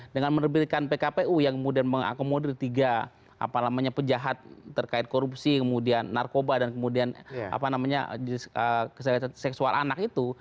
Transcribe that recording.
dengan menerbitkan pkpu yang kemudian mengakomodir tiga apa namanya pejahat terkait korupsi kemudian narkoba dan kemudian apa namanya seksual anak itu